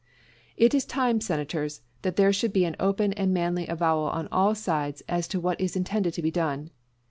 It is time, Senators, that there should be an open and manly avowal on all sides as to what is intended to be done.